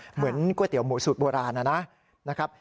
เหมือนก๋วยเตี๋ยหมูสูตรโบราณนะครับ